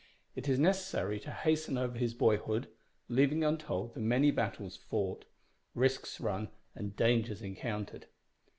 It is necessary to hasten over his boyhood, leaving untold the many battles fought, risks run, and dangers encountered.